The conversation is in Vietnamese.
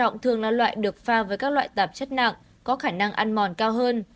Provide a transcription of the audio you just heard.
động thường là loại được pha với các loại tạp chất nặng có khả năng ăn mòn cao hơn